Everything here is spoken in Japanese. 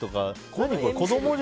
何これ？